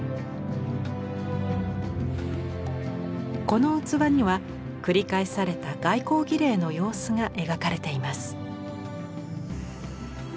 この器には繰り返された外交儀礼の様子が描かれています。